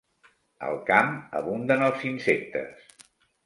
Al camp abunden els insectes.